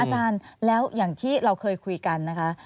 อาจารย์แล้วอย่างที่เราเคยคุยกันนะคะ